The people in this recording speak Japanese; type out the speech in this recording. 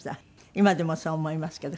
今でもそう思いますけど。